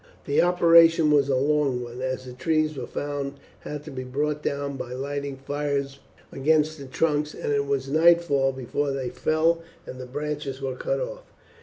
The operation was a long one, as the trees when found had to be brought down by lighting fires against the trunks, and it was nightfall before they fell and the branches were cut off.